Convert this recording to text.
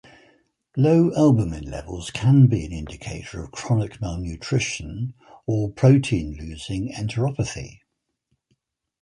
Low albumin levels can be an indicator of chronic malnutrition or protein losing enteropathy.